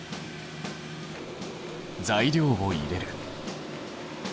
材料を入れる。